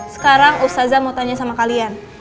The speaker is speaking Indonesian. sekarang ustazza mau tanya sama kalian